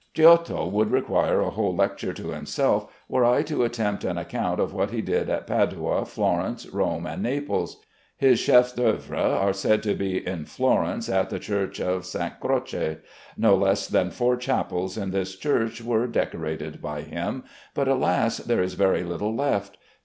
Giotto would require a whole lecture to himself, were I to attempt an account of what he did at Padua, Florence, Rome, and Naples. His chefs d'œuvre are said to be in Florence, at the Church of St. Croce. No less than four chapels in this church were decorated by him; but, alas! there is very little left.